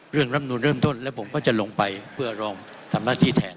เรื่องรำนูนเริ่มทดแล้วผมก็จะลงไปเพื่อลองทำละที่แทน